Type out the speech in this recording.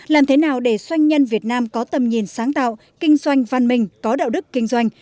làm thế nào để doanh nhân việt nam có tầm nhìn sáng tạo kinh doanh văn minh có đạo đức kinh doanh